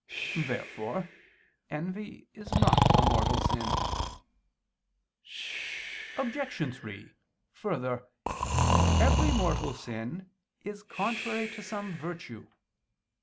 Therefore envy is not a mortal sin. Obj. 3: Further, every mortal sin is contrary to some virtue.